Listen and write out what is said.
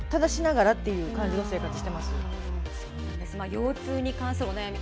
腰痛に関するお悩み